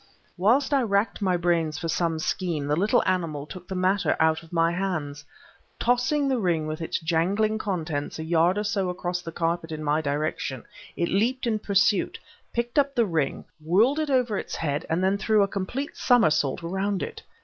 Whilst I racked my brains for some scheme, the little animal took the matter out of my hands. Tossing the ring with its jangling contents a yard or so across the carpet in my direction, it leaped in pursuit, picked up the ring, whirled it over its head, and then threw a complete somersault around it.